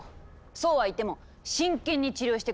そうはいっても真剣に治療してくださいね！